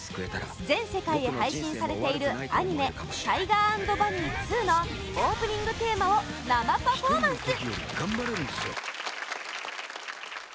全世界へ配信されているアニメ「ＴＩＧＥＲ＆ＢＵＮＮＹ２」のオープニングテーマを生パフォーマンス！